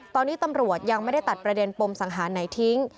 ตอนนี้ตำรวจยังไม่ได้ตัดประเด็นปมสังหารไหนทิ้ง